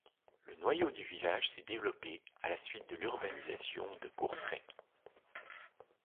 Le noyau du village s'est développé à la suite de l'urbanisation de Courtrai.